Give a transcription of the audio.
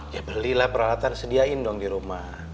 ya belilah peralatan sediain dong di rumah